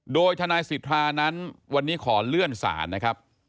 โดยทนายสิทธานั้นวันนี้ขอเลื่อนศาลนะครับ